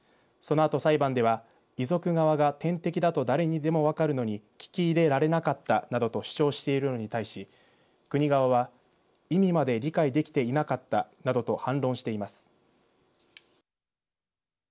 そのあと裁判では遺族側が点滴だと誰にでも分かるのに聞き入れられなかったなどと主張しているのに対し、国側は意味まで理解できていなかったなどと反論しています。